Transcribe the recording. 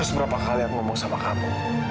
seberapa kali aku ngomong sama kamu